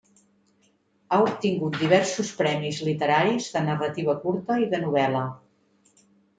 Ha obtingut diversos premis literaris de narrativa curta i de novel·la.